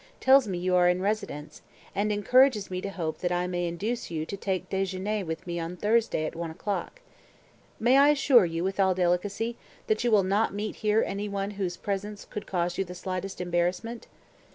tells me you are in residence, and encourages me to hope that I may induce you to take déjeuner with me on Thursday, at one o'clock. May I assure you, with all delicacy, that you will not meet here anyone whose presence could cause you the slightest embarrassment?